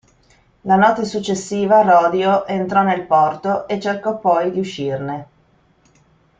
La notte successiva Rodio entrò nel porto e cercò poi di uscirne.